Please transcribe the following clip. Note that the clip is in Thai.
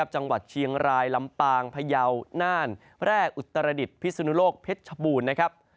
จังหวัดเชียงรายลำปางพยาวน่านแรกอุตรดิษฐ์พิศนโลกเผ็ดชะบูรณ์